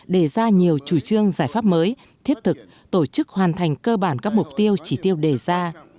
để ra nhiều chủ trương giải pháp mới thiết thực tổ chức hoàn thành cơ bản các mục tiêu chỉ tiêu đề ra